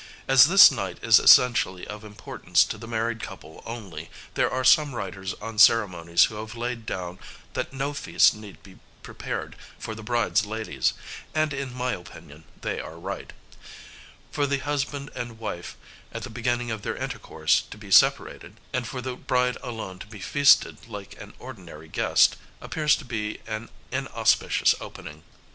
As this night is essentially of importance to the married couple only, there are some writers on ceremonies who have laid down that no feast need be prepared for the bride's ladies, and in my opinion they are right: for the husband and wife at the beginning of their intercourse to be separated, and for the bride alone to be feasted like an ordinary guest, appears to be an inauspicious opening.